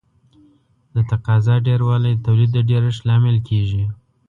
د تقاضا ډېروالی د تولید د ډېرښت لامل کیږي.